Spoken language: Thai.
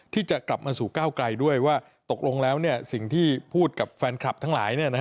ที่จะกลับมาสู่ก้าวไกลด้วยว่าตกลงแล้วสิ่งที่พูดกับแฟนคลับทั้งหลาย